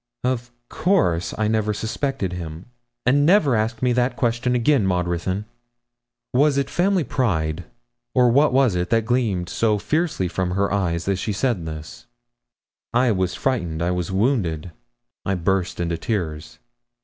'Of course I never suspected him; and never ask me that question again, Maud Ruthyn.' Was it family pride, or what was it, that gleamed so fiercely from her eyes as she said this? I was frightened I was wounded I burst into tears.